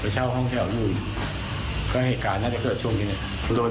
ไปเช่าห้องแถวอยู่ก็เหกการน่าจะเกิดช่วงทีเนี้ยโดย